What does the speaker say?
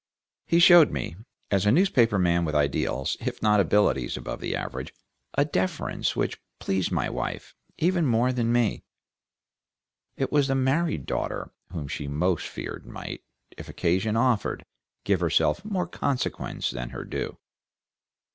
He showed me, as a newspaper man with ideals if not abilities rather above the average, a deference which pleased my wife, even more than me. It was the married daughter whom she most feared might, if occasion offered, give herself more consequence than her due.